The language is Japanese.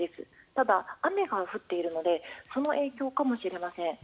ただ、雨が降っているのでその影響かもしれません。